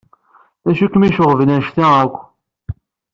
D acu kem-iceɣben anect-a akk?